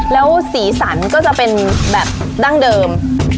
แล้วสีสันก็จะเป็นแบบดั้งเดิม